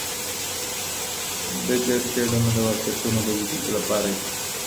ډګر څېړنه د واقعیتونو د لیدلو لپاره وي.